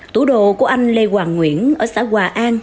tủ đồ của anh lê hoàng nguyễn ở xã hòa an